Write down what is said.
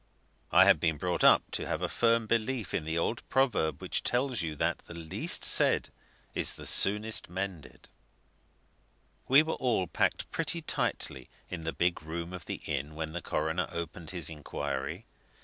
I had been brought up to have a firm belief in the old proverb which tells you that the least said is soonest mended. We were all packed pretty tightly in the big room of the inn when the coroner opened his inquiry.